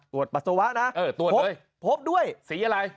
ตรวจปัสสาวะนะพบด้วยสีอะไร